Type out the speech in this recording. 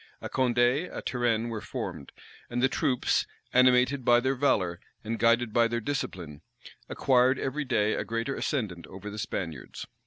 A Condé, a Turenne were formed; and the troops, animated by their valor, and guided by their discipline, acquired every day a greater ascendant over the Spaniards.